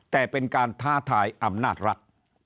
แต่เป็นการท้าทายอำนาจรัฐ